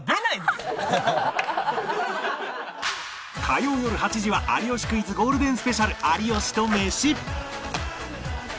火曜よる８時は『有吉クイズ』ゴールデンスペシャル有吉とメシ